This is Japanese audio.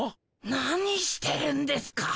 何してるんですか？